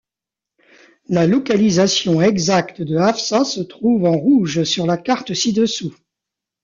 La localisation exacte de Avşa se trouve en rouge sur la carte ci-dessous.